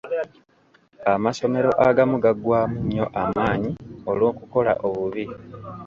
Amasomero agamu gaggwamu nnyo amaanyi olw'okukola obubi.